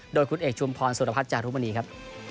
โดยคุณเอกชุมพรสุรพัฒน์จารุมณีครับ